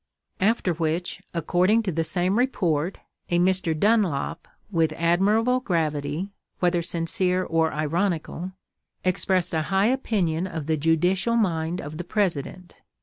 After which, according to the same report, a Mr. Dunlop, with admirable gravity, whether sincere or ironical, expressed a high opinion of the judicial mind of the president!